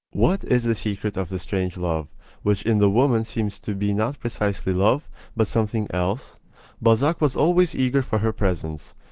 What is the secret of this strange love, which in the woman seems to be not precisely love, but something else? Balzac was always eager for her presence.